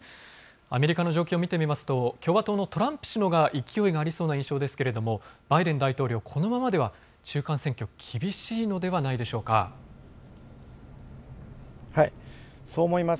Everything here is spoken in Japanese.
アメリカの状況を見てみますと、共和党のトランプ氏の側が勢いがありそうな印象ですけれども、バイデン大統領、このままでは中間選挙、厳しいのではないでしょうそう思います。